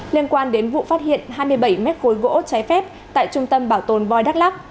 liên quan đến vụ phát hiện hai mươi bảy mét khối gỗ trái phép tại trung tâm bảo tồn voi đắk lắc